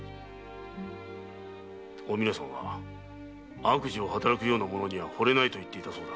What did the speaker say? おみなさんは悪事を働くような者には惚れないと言ったそうだ。